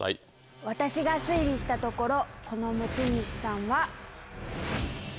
私が推理したところこの持ち主さんは。